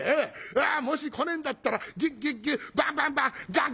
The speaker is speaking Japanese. ああもし来ねえんだったらギュッギュッギュッバンバンバンガンガンガンガン！」。